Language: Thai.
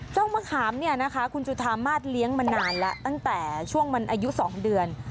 มะขามเนี่ยนะคะคุณจุธามาสเลี้ยงมานานแล้วตั้งแต่ช่วงมันอายุ๒เดือน